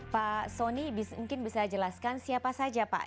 pak soni mungkin bisa jelaskan siapa saja pak